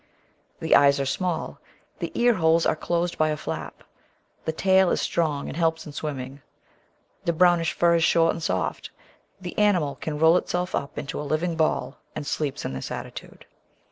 The eyes are small; the ear holes are closed by a flap ; the tail is strong and helps in swimming; the brownish fur is short and soft; the animal can roll itself up into a living ball, and sleeps in this attitude.